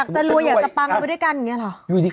ถูก